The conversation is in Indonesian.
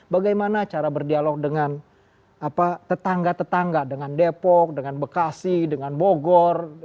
bagaimana cara berdialog dengan tetangga tetangga dengan depok dengan bekasi dengan bogor